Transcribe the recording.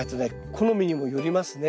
好みにもよりますね。